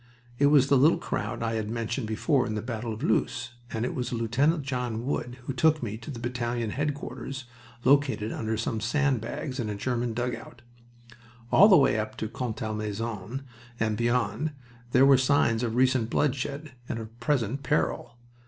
It was the little crowd I have mentioned before in the battle of Loos, and it was Lieut. John Wood who took me to the battalion headquarters located under some sand bags in a German dug out. All the way up to Contalmaison and beyond there were the signs of recent bloodshed and of present peril.